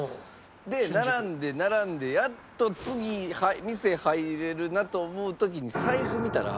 で並んで並んでやっと次店入れるなと思う時に財布見たら。